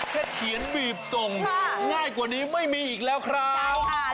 แคบเขียนบีบตรงก็ง่ายกว่านี้ไม่มีอีกแล้วครับใช่ค่ะ